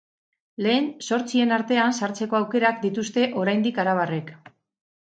Lehen zortzien artean sartzeko aukerak dituzte oraindik arabarrek.